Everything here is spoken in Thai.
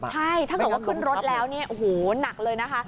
ใช่ถ้าเขาบอกว่าขึ้นรถแล้วโอ้โหหนักเลยนะคะ